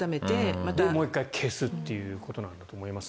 で、もう１回消すということなんだと思います。